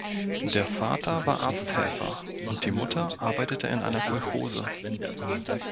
Der Vater war Arzthelfer und die Mutter arbeitete in einer Kolchose.